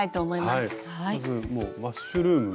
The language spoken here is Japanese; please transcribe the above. まずもうマッシュルーム。